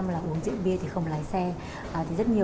là uống rượu bia thì không lái xe